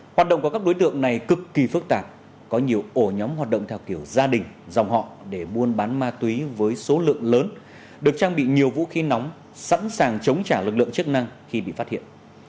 hoạt động của các đối tượng này cực kỳ phức tạp có nhiều ổ nhóm hoạt động theo kiểu gia đình dòng họ để buôn bán ma túy với số lượng lớn được trang bị nhiều vũ khí nóng sẵn sàng chống trả lực lượng chức năng khi bị phát hiện